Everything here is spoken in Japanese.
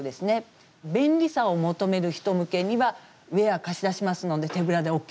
便利さを求める人向けには「ウェア貸し出しますので手ぶらでＯＫですよ」とか。